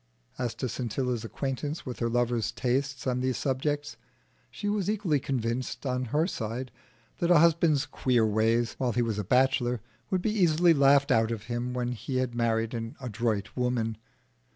As to Scintilla's acquaintance with her lover's tastes on these subjects, she was equally convinced on her side that a husband's queer ways while he was a bachelor would be easily laughed out of him when he had married an adroit woman.